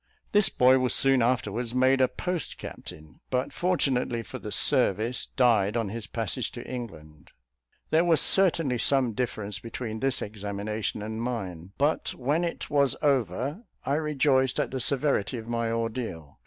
This boy was soon afterwards made a post captain; but fortunately for the service, died on his passage to England. There was certainly some difference between this examination and mine; but when it was over, I rejoiced at the severity of my ordeal.